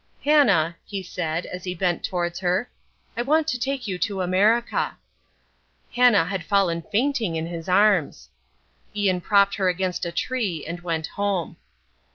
"Hannah," he said, as he bent towards her, "I want to take you to America." Hannah had fallen fainting in his arms. Ian propped her against a tree, and went home.